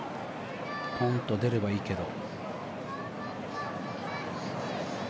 ポンと出ればいいけど。